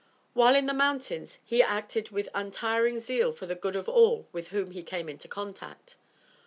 While in the mountains, he acted with untiring zeal for the good of all with whom he came into contact.